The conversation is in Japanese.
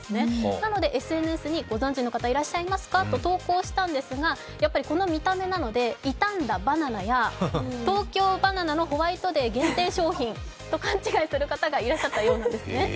なのでＳＮＳに「ご存じの方いらっしゃいますか？」と投稿したんですが、やっぱりこの見た目なので、傷んだバナナや東京ばな奈のホワイトデー限定商品と勘違いされる方がいらっしゃったそうなんですね。